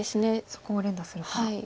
そこを連打するか。